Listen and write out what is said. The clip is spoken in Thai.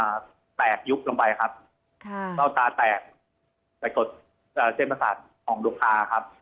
เอ่อแตกยุบลงไปครับค่ะเกาะตาแตกไปกดเซ็นต์ประสาทของลูกค้าครับ